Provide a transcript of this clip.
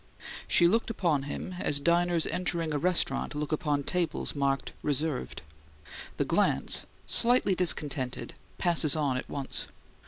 She looked upon him as diners entering a restaurant look upon tables marked "Reserved": the glance, slightly discontented, passes on at once.